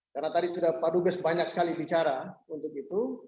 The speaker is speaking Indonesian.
karena tadi sudah pak dugas banyak sekali bicara untuk itu